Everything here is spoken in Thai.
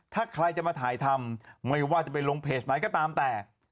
ถ้าใครจะมาถ่ายทำไม่ว่าจะไปลงเพจไหนก็ตามแต่